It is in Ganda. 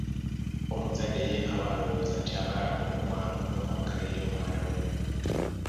Omuzadde ye aba alowooza nti aba alaga mukwano n'okwagala eri omwana we.